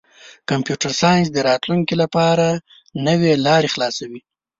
کمپیوټر ساینس د راتلونکي لپاره نوې لارې خلاصوي.